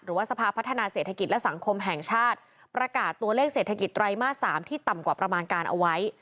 สภาพัฒนาเศรษฐกิจและสังคมแห่งชาติประกาศตัวเลขเศรษฐกิจไตรมาส๓ที่ต่ำกว่าประมาณการเอาไว้